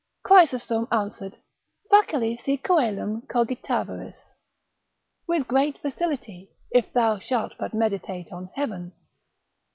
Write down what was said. Chrysostom answers, facile si coelum cogitaveris, with great facility, if thou shalt but meditate on heaven.